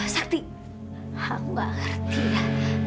sakti aku nggak ngerti ya